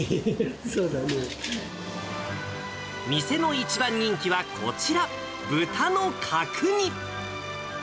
店の一番人気はこちら、豚の角煮。